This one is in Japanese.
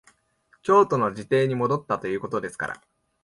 京都の自邸に戻ったということですから、